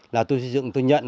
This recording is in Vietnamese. là tôi xây dựng tôi nhận